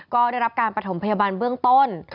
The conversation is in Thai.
ก็ได้รับการประถมพยาบาลเบื้องต้น